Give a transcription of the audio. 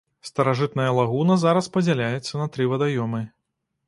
Старажытная лагуна зараз падзяляецца на тры вадаёмы.